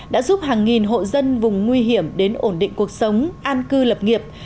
đã giúp hàng nghìn hộ dân vùng nguy hiểm đến ổn định cuộc sống an cư lập nghiệp